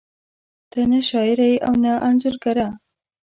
ته نه شاعره ېې او نه انځورګره